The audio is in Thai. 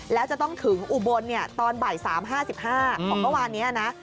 แล้วจะต้องถึงอุบลตอนบ่าย๓๕๕ของเมื่อวานนี้นะ